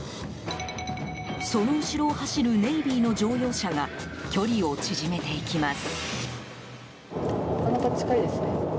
その後ろを走るネイビーの乗用車が距離を縮めていきます。